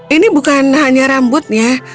ini bukan hanya rambutnya